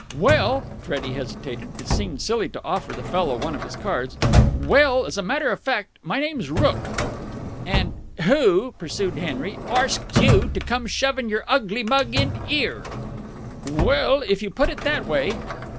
"Well " Freddie hesitated. It seemed silly to offer the fellow one of his cards. "Well, as a matter of fact, my name's Rooke...." "And who," pursued Henry, "arsked you to come shoving your ugly mug in 'ere?" "Well, if you put it that way...."